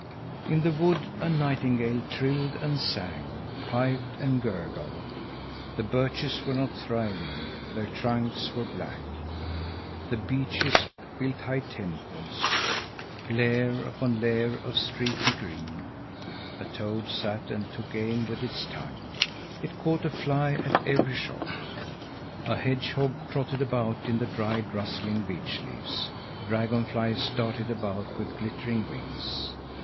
In the wood a nightingale trilled and sang, piped and gurgled. The birches were not thriving, their trunks were black. The beeches built high temples, layer upon layer of streaky green. A toad sat and took aim with its tongue. It caught a fly at every shot. A hedgehog trotted about in the dried, rustling beech leaves. Dragonflies darted about with glittering wings.